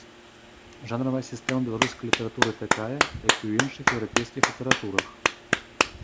Жанравая сістэма беларускай літаратуры такая, як і ў іншых еўрапейскіх літаратурах.